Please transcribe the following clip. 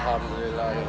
aku akan menikahi aku